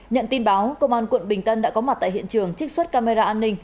nhận tin báo công an quận bình tân đã có mặt tại hiện trường trích xuất camera an ninh